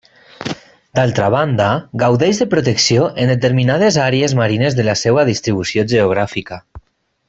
D'altra banda, gaudeix de protecció en determinades àrees marines de la seua distribució geogràfica.